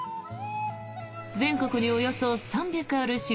全国におよそ３００ある白鬚